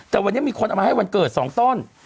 แต่วันนี้มีคนเอามาให้วันเกิด๒ต้น